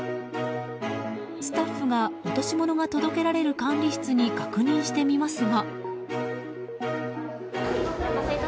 スタッフが落し物が届けられる管理室に確認してみますが。